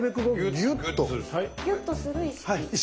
ギュッとする意識。